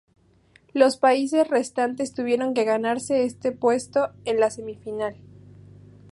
Los países restantes tuvieron que ganarse este puesto en la semifinal.